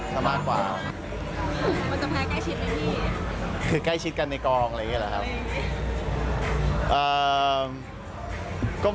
ก็ไม่ได้ใกล้ชิดอะไรกันขนาดนั้นนะครับ